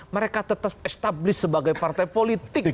mereka tetap establis sebagai partai politik